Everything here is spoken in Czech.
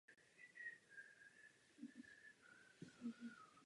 My jsme tomu však nepřikládali hodnotu.